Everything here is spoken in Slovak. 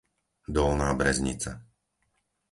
Dolná Breznica